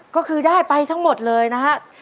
ก็คือได้ไปทั้งหมดเลยนะครับ